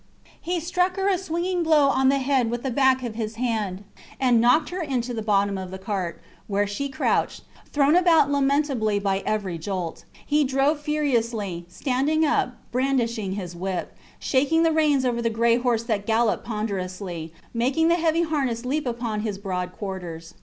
He struck her a swinging blow on the head with the back of his hand and knocked her into the bottom of the cart, where she crouched, thrown about lamentably by every jolt. He drove furiously, standing up, brandishing his whip, shaking the reins over the gray horse that galloped ponderously, making the heavy harness leap upon his broad quarters.